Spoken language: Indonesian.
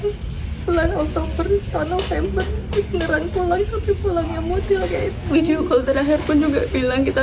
kok aku merasa umurnya tidak panjang ya